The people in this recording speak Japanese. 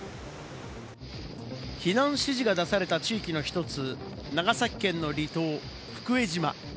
避難指示が出された地域の１つ、長崎県の離島、福江島。